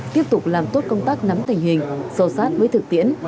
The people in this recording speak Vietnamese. tiếp tục làm tốt công tác nắm tình hình sâu sát với thực tiễn